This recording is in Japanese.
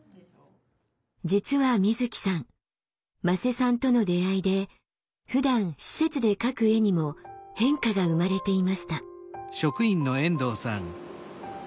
実はみずきさん馬瀬さんとの出会いでふだん施設で描く絵にも変化が生まれていました。